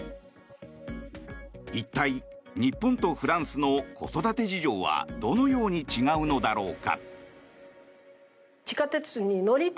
一体、日本とフランスの子育て事情はどのように違うのだろうか。